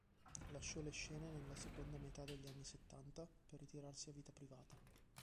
Lasciò le scene nella seconda metà degli anni settanta per ritirarsi a vita privata.